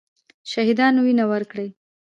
شهیدانو وینه ورکړې.